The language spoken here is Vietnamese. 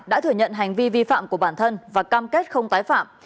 đã thừa nhận hành vi vi phạm của bản thân và cam kết không tái phạm